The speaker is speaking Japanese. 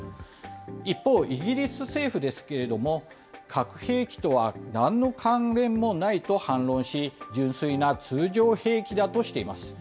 一方、イギリス政府ですけれども、核兵器とはなんの関連もないと反論し、純粋な通常兵器だとしています。